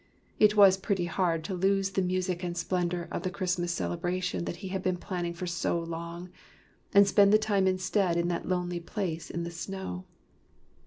It was pretty hard to lose the music and splendor of the Christmas celebra tion that he had been planning for so long, and spend the time instead in that lonely place in the snow.